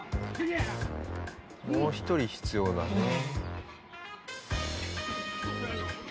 もう一人必要だね。